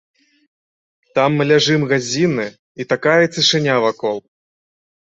Там мы ляжым гадзіны, і такая цішыня вакол!